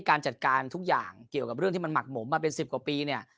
การจัดการทุกอย่างเกี่ยวกับเรื่องที่มันหมักหมมมาเป็น๑๐กว่าปีเนี่ย